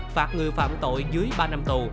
phạt người phạm tội dưới ba năm tù